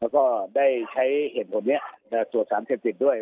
แล้วก็ได้ใช้เหตุผลนี้ตรวจสารเสพติดด้วย